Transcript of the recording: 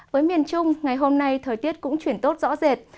với miền trung ngày hôm nay thời tiết cũng chuyển tốt rõ rệt